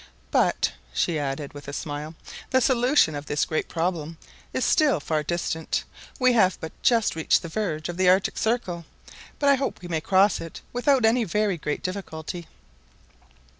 But," she added, with a smile, "the solution of this great problem is still far distant. We have but just reached the verge of the Arctic Circle, but I hope we may cross it without any very great difficulty."